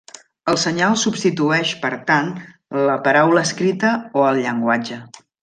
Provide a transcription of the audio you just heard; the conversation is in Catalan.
El senyal substitueix per tant a la paraula escrita o al llenguatge.